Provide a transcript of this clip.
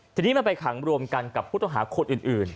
ทีนี้มันไปขังรวมกันกับผู้ต้องหาคนอื่น